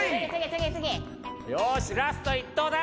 よしラスト１投だ！